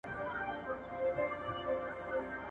محیط مو په خپله ګټه تنظیم کړئ.